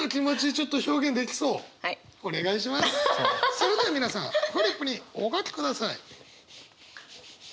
それでは皆さんフリップにお書きください。